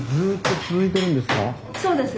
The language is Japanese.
そうです。